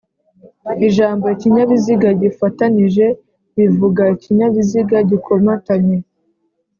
Ijambo ikinyabiziga gifatanije bivuga ikinyabiziga gikomatanye